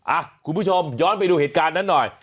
คุณผู้ชมย้อนไปดูเหตุการณ์นั้นหน่อย